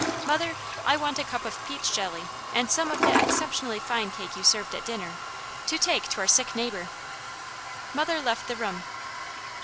Mother, I want a cup of peach jelly, and some of that exceptionally fine cake you served at dinner, to take to our sick neighbour." Mother left the room.